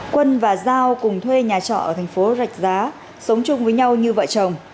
quân và giao cùng thuê nhà trọ ở thành phố rạch giá sống chung với nhau như vợ chồng